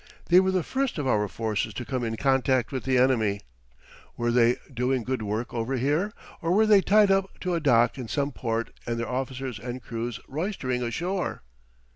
They were the first of our forces to come in contact with the enemy. Were they doing good work over here, or were they tied up to a dock in some port and their officers and crews roistering ashore?